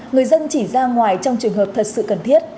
người dân chỉ ra ngoài trong trường hợp thật sự cần thiết